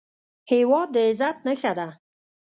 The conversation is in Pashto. هېواد د عزت نښه ده